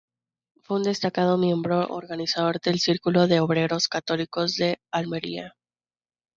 Fue un destacado miembro organizador del Círculo de obreros católicos de Almería.